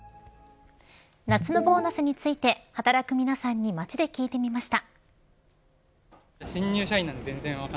夏のボーナスについて働く皆さんに街で聞いてみました。